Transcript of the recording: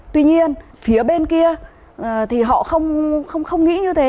tuy nhiên phía bên kia thì họ không nghĩ như thế